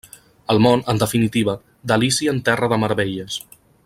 El món, en definitiva, d'Alícia en terra de meravelles.